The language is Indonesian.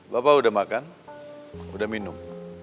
bapak udah makan udah minum